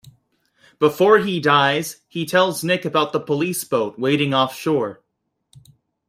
Before he dies, he tells Nick about the police boat waiting offshore.